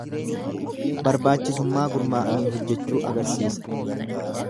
Barbaachisummaa gurmaa'anii hojjechuu agarsiisa.